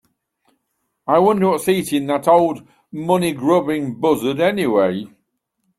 I wonder what's eating that old money grubbing buzzard anyway?